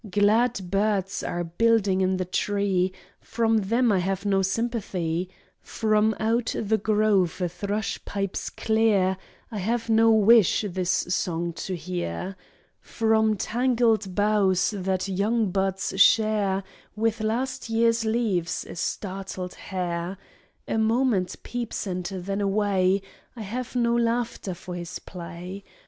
Glad birds are building in the tree. For them I have no sympathy ; From out the grove a thrush pipes clear, I have no wish his song to hear ; From tangled boughs that young buds share With last year's leaves, a startled hare A moment peeps and then away ; I have no laughter for his play.